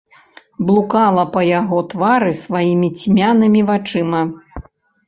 Блукала па яго твары сваімі цьмянымі вачыма.